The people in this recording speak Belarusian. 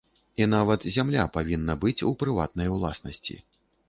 І нават зямля павінна быць у прыватнай уласнасці.